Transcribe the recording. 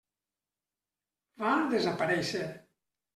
Va desaparèixer.